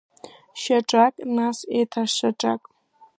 Шьаҿак, нас еиҭа шьаҿак…